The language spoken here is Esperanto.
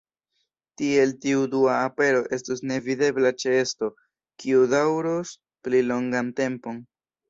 Tiel tiu Dua Apero estus nevidebla ĉeesto, kiu daŭros pli longan tempon.